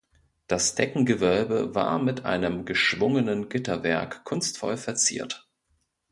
Das Deckengewölbe war mit einem geschwungenen Gitterwerk kunstvoll verziert.